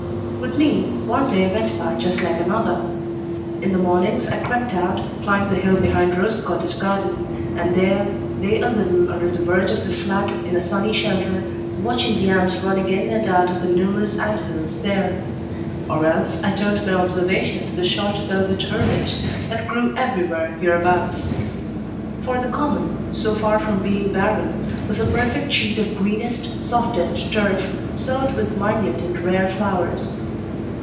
With me one day went by just like another. In the mornings I crept out, climbed the hill behind Rose Cottage garden, and there lay a little under the verge of the Flat, in a sunny shelter, watching the ants running in and out of the numerous ant hills there; or else I turned my observation to the short velvet herbage that grew everywhere hereabouts; for the common, so far from being barren, was a perfect sheet of greenest, softest turf, sowed with minute and rare flowers.